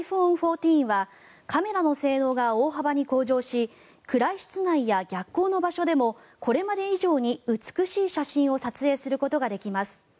ｉＰｈｏｎｅ１４はカメラの性能が大幅に向上し暗い室内や逆光の場所でもこれまで以上に美しい写真を撮影することができます。